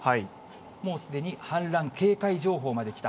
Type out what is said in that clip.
もうすでに氾濫警戒情報まで来た。